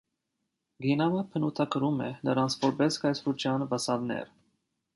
Կինամը բնութագրում է նրանց որպես կայսրության վասալներ։